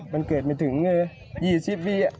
มันเกิดไม่ถึง๒๐ปี